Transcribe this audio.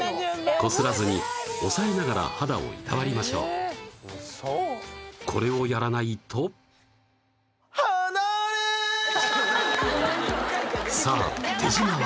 こすらずに押さえながら肌をいたわりましょうこれをやらないとははははっさあ手島は？